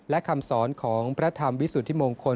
และคำสอนของพระธรรมวิสุทธิมงคล